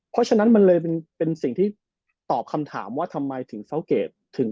เพราะฉะนั้นมันเลยเป็นสิ่งที่ตอบคำถามว่าทำไมถึงสังเกตถึง